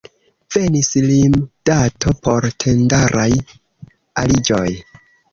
Venis limdato por tendaraj aliĝoj.